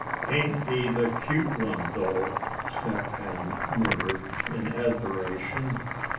"Ain't he the cute one, though?" Step Hen murmured, in admiration.